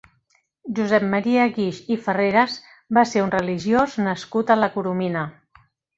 Josep Maria Guix i Ferreres va ser un religiós nascut a la Coromina.